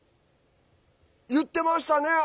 言ってましたね。